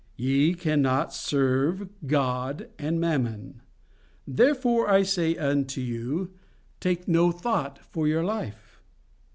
"'YE CANNOT SERVE GOD AND MAMMON. THEREFORE I SAY UNTO YOU, TAKE NO THOUGHT FOR YOUR LIFE.